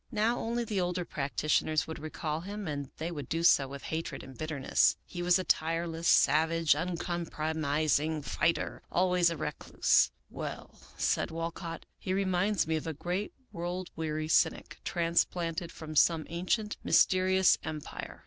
Now only the older practitioners would recall him, and they would do so with hatred and bitterness. He was a tireless, savage, un compromising fighter, always a recluse." " Well," said Walcott, " he reminds me of a great world weary cynic, transplanted from some ancient mysterious em pire.